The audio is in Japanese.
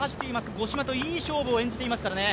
五島といい勝負を演じていますからね。